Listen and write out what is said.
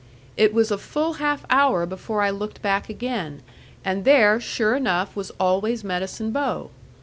It was a full half hour before I looked back again, and there sure enough was always Medicine Bow.